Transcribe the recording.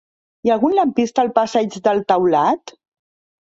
Hi ha algun lampista al passeig del Taulat?